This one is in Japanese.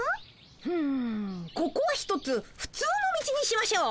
ふむここはひとつふつうのみちにしましょう。